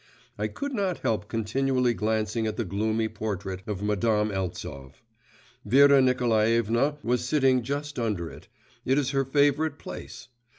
I could not help continually glancing at the gloomy portrait of Madame Eltsov. Vera Nikolaevna was sitting just under it; it is her favourite place.